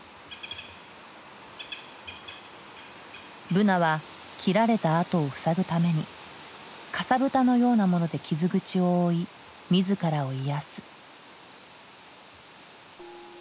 ブナは切られた跡を塞ぐためにかさぶたのようなもので傷口を覆い自らを癒やす。